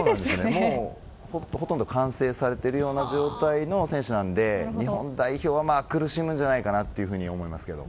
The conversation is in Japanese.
ほとんど完成されているような状態の選手なので日本代表は苦しむんじゃないかと思いますけど。